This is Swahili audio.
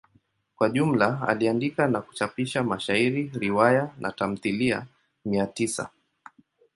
Kwa jumla aliandika na kuchapisha mashairi, riwaya na tamthilia mia tisa.